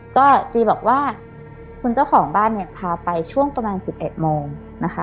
ก็จีบอกว่าคุณเจ้าของบ้านเนี่ยพาไปช่วงประมาณ๑๑โมงนะคะ